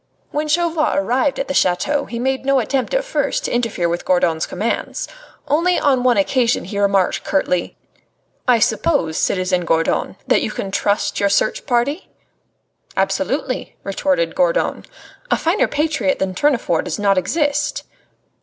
When Chauvelin arrived at the chateau he made no attempt at first to interfere with Gourdon's commands. Only on one occasion he remarked curtly: "I suppose, citizen Gourdon, that you can trust your search party?" "Absolutely," retorted Gourdon. "A finer patriot than Tournefort does not exist."